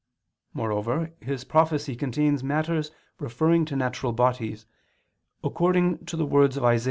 Moreover his prophecy contains matters referring to natural bodies, according to the words of Isa.